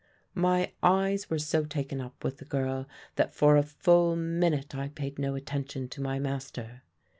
"My eyes were so taken up with the girl that for a full minute I paid no attention to my master.